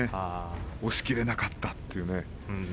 押しきれなかったというね。